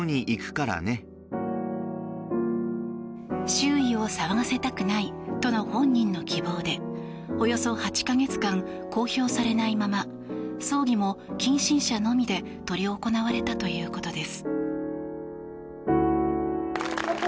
周囲を騒がせたくないとの本人の希望でおよそ８か月間公表されないまま葬儀も近親者のみで執り行われたということです。